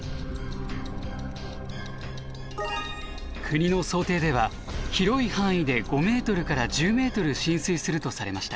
国の想定では広い範囲で５ｍから１０ｍ浸水するとされました。